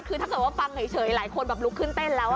คือถ้าเกิดว่าฟังเฉยหลายคนแบบลุกขึ้นเต้นแล้ว